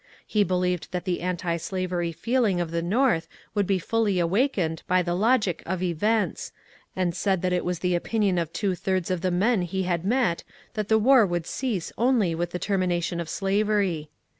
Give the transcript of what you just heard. He believed that the antislavery feeling of the North would be fully awakened by the logic of events, and said that it was the opinion of two thirds of the men he had met that the war could cease only with the termina tion of slavery.